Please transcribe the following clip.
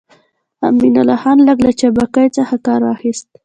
امان الله خان لږ له چابکۍ څخه کار واخيست.